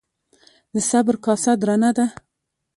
د صبر کاسه درنه ده.